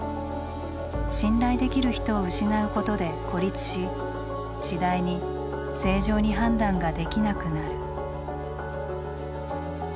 信頼できる人を失うことで「孤立」し次第に正常に判断ができなくなる。